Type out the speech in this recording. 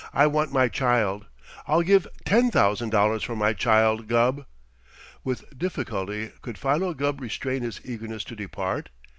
"I want my child I'll give ten thousand dollars for my child, Gubb." With difficulty could Philo Gubb restrain his eagerness to depart.